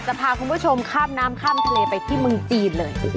พาคุณผู้ชมข้ามน้ำข้ามทะเลไปที่เมืองจีนเลย